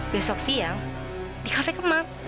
besok siang di kafe kemang